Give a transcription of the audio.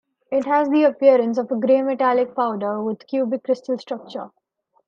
It has the appearance of a gray metallic powder with cubic crystal structure.